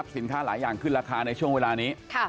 สินค้าหลายอย่างขึ้นราคาในช่วงเวลานี้